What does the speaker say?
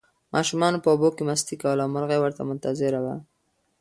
ماشومانو په اوبو کې مستي کوله او مرغۍ ورته منتظره وه.